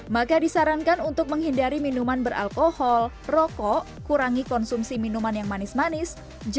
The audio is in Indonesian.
maka disarankan untuk menghindari minuman beralkohol rokok kurangi konsumsi minuman yang manis manis